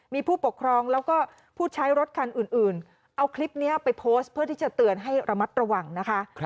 มีผู้ปกครองแล้วก็ผู้ใช้รถคันอื่นเอาคลิปนี้ไปโพสต์เพื่อที่จะเตือนให้ระมัดระวังนะคะ